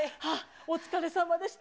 お疲れさまでした。